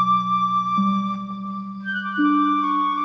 neng mah kayak gini